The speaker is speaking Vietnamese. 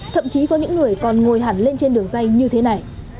thậm chí có những người còn ngồi hẳn lên trên đường dây như thế này